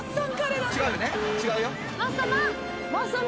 違うよ。